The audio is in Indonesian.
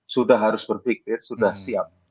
sudah harus berpikir sudah siap